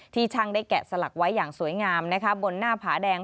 ช่างได้แกะสลักไว้อย่างสวยงามบนหน้าผาแดง